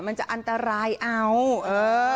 มันจะอันตรายอ่ะเอ้อ